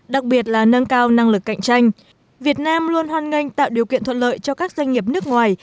đặc biệt là nâng cao năng lực cạnh tranh việt nam luôn hoan nghênh tạo điều kiện thuận lợi cho các doanh nghiệp nước ngoài